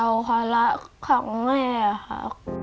อยากยิ่งเกลาความรักของแม่ค่ะ